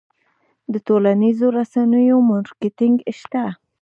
د ټولنیزو رسنیو مارکیټینګ شته؟